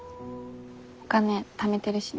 お金ためてるしね。